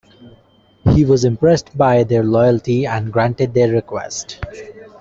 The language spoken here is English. He was impressed by their loyalty and granted their request.